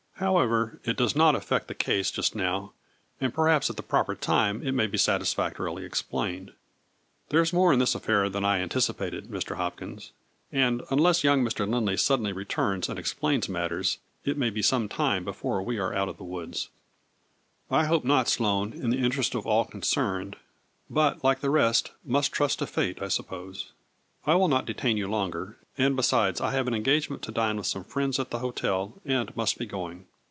However it does not effect the case just now, and perhaps at the proper time it may be satisfactorily explained. There is more in this affair than I anticipated, Mr. Hopkins, and, unless young Mr. Lindley suddenly returns and explains matters, it may be some time before we are out of the woods." A FLURRY IN DIAMONDS. 169 " I hope not Sloane, in the interest of all concerned, but, like the rest, must trust to fate, I suppose. I will not detain you longer, and besides I have an engagement to dine with some friends at the hotel, and must be going.